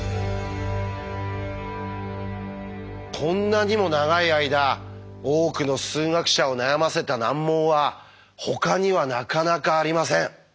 こんなにも長い間多くの数学者を悩ませた難問はほかにはなかなかありません。